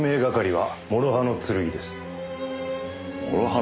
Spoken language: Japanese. は？